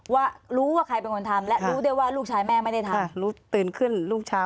ว่ารู้ว่าใครเป็นคนทำและรู้ได้ว่าลูกชายแม่ไม่ได้ทำ